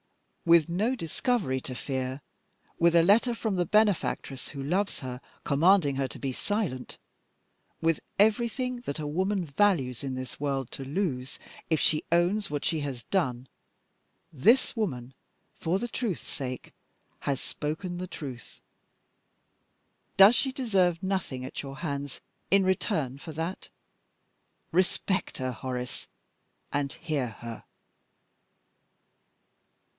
With no discovery to fear, with a letter from the benefactress who loves her commanding her to be silent, with everything that a woman values in this world to lose, if she owns what she has done this woman, for the truth's sake, has spoken the truth. Does she deserve nothing at your hands in return for that? Respect her, Horace and hear her."